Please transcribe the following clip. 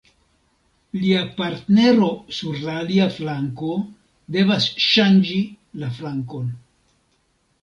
Lia partnero sur la alia flanko devas ŝanĝi la flankon.